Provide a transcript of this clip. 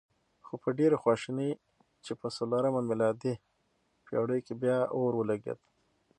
خو په ډېرې خواشینۍ چې په څلورمه میلادي پېړۍ کې بیا اور ولګېد.